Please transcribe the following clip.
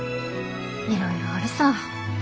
いろいろあるさ。